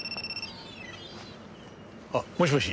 あっもしもし？